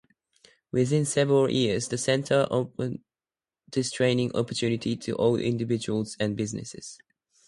Within several years the Center opened this training opportunity to all individuals and businesses.